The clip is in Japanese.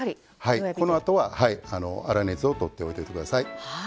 このあとは粗熱をとって置いておいてください。